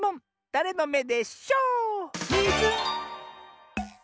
だれのめでショー⁉ミズン！